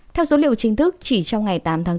theo số liệu chính thức chỉ trong ngày tám tháng bốn